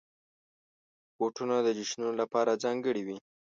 بوټونه د جشنونو لپاره ځانګړي وي.